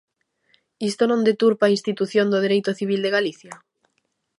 ¿Isto non deturpa a institución do dereito civil de Galicia?